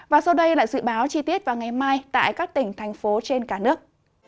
và sau đây là dự báo chi tiết vào ngày mai tại các tỉnh thành phố trên cả nước